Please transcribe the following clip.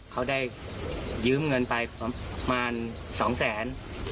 เขาได้ยืมเงินไปประมาณ๒แสน